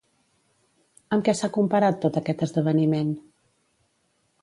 Amb què s'ha comparat tot aquest esdeveniment?